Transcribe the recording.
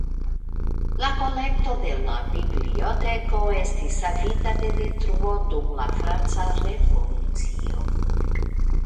La kolekto de la biblioteko estis savita de detruo dum la franca Revolucio.